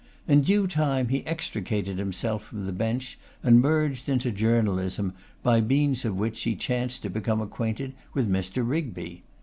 In due time he extricated himself from the bench and merged into journalism, by means of which he chanced to become acquainted with Mr. Rigby.